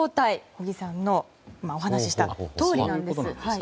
小木さんのお話したとおりなんです。